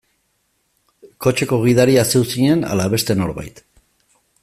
Kotxeko gidaria zeu zinen ala beste norbait?